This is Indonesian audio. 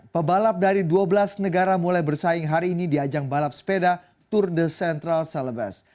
pebalap dari dua belas negara mulai bersaing hari ini di ajang balap sepeda tour de central celebes